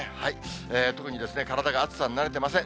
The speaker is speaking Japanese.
特に体が暑さに慣れてません。